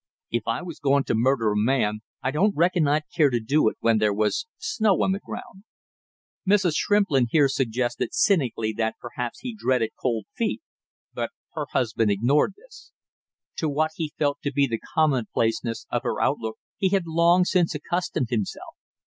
"If I was going to murder a man, I don't reckon I'd care to do it when there was snow on the ground." Mrs. Shrimplin here suggested cynically that perhaps he dreaded cold feet, but her husband ignored this. To what he felt to be the commonplaceness of her outlook he had long since accustomed himself.